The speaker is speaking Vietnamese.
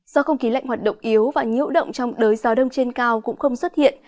do không khí lạnh hoạt động yếu và nhiễu động trong đới gió đông trên cao cũng không xuất hiện